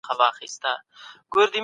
که چېرې تاسو ته تبه درشي، نو اوبه وڅښئ.